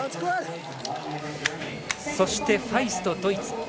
そしてファイスト、ドイツ。